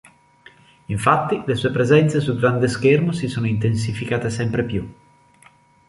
Infatti, le sue presenze su grande schermo si sono intensificate sempre più.